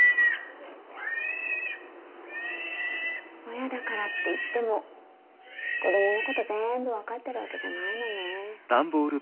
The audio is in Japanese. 親だからっていっても子供のことぜんぶ分かってるわけじゃないのねえ。